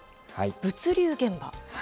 物流現場。